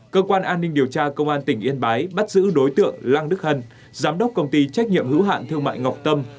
cơ quan an ninh điều tra công an tỉnh yên bái bắt giữ đối tượng lăng đức hân giám đốc công ty trách nhiệm hữu hạn thương mại ngọc tâm